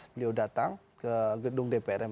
beliau datang ke gedung dpr mp